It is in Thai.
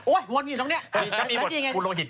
โอ๊ยวนอยู่ตรงนี้แล้วดียังไงถ้ามีบทคุณโรหิตก็บอก